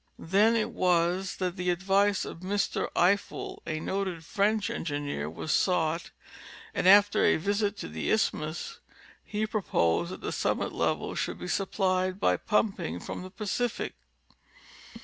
Then it was that the advice of Mr. Eiffel, a noted French engi neer, was sought, and after a visit to the Isthmus he proposed that the summit level should be supplied by pumping from the Pacific.